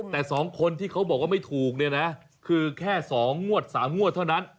แต่๒คนที่เขาบอกว่าไม่ถูกเนี่ยนะคือแค่๒งวด๓งวดเท่านั้น